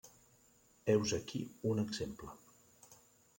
Heus aquí un exemple.